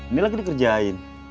ini lagi dikerjain